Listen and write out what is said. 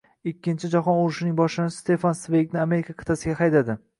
Ikkinchi jahon urushining boshlanishi Stefan Sveygni Amerika qit`asiga haydadi